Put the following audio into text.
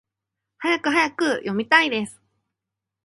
はやくはやく！読みたいです！